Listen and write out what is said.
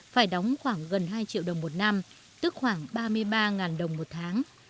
phải đóng khoảng gần hai triệu đồng một năm tức khoảng ba mươi ba đồng một tháng